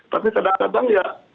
tapi kadang kadang ya